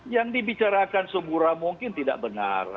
yang dibicarakan semurah mungkin tidak benar